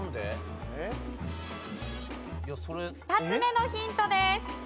２つ目のヒントです。